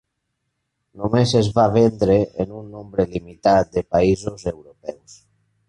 Només es va vendre en un nombre limitat de països europeus.